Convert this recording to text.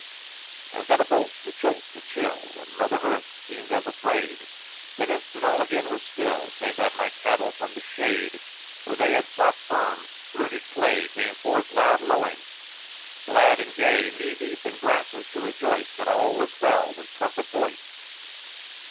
And then a bolt, a jolt, a chill, And Mother Earth seemed as afraid; Then instant all again was still, Save that my cattle from the shade Where they had sought firm, rooted clay, Came forth loud lowing, glad and gay, Knee deep in grasses to rejoice That all was well, with trumpet voice.